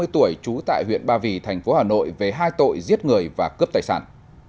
ba mươi tuổi trú tại huyện ba vì thành phố hà nội về hai tội giết người và cướp tài sản